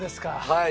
はい。